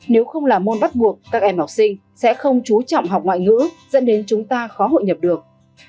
nếu không là môn bắt buộc các em học sinh sẽ không chú trọng học ngoại ngữ dẫn đến chúng ta khó hội nhập được